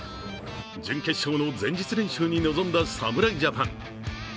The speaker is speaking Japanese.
準決勝の前日練習に臨んだ侍ジャパン。